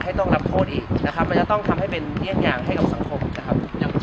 ต้องรับโทษอีกนะครับมันจะต้องทำให้เป็นเยี่ยงอย่างให้กับสังคมนะครับ